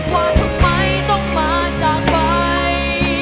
ว่าทำไมต้องมาจากไป